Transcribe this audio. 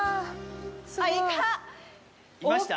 いました？